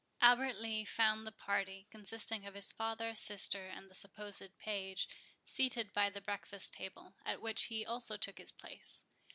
Albert Lee found the party, consisting of his father, sister, and the supposed page, seated by the breakfast table, at which he also took his place.